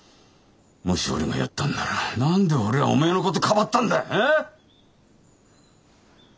もし俺がやったんなら何で俺はおめえの事かばったんだええ！？